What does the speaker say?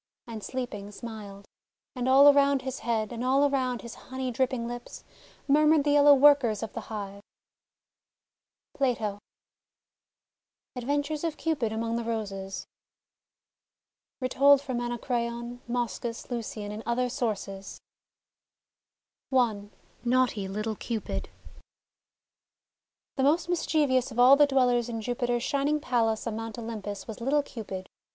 And sleeping, smiled. And all around his Jiead, And all around his honey dripping lips, Murmured tlw yellow Workers of the Hive I PLATO ADVENTURES OF CUPID AMONG THE ROSES Retold from Anacreon, Moschus, LiLcian, and Other Sources NAUGHTY LITTLE CUPID THE most mischievous of all the dwellers in Jupiter's shining Palace on Mount Olympus was little Cupid.